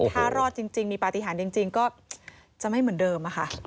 ถ้ารอดจริงมีปฏิหารจริงก็จะไม่เหมือนเดิมค่ะ